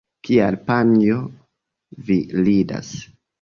Kial panjo, vi ridas?